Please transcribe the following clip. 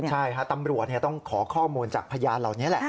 ใช่ฮะตำรวจต้องขอข้อมูลจากพยานเหล่านี้แหละ